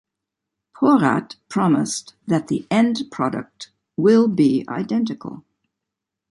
Porat promised that the "end product will be identical".